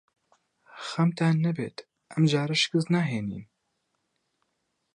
خەمتان نەبێت. ئەم جارە شکست ناهێنین.